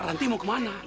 ranti mau kemana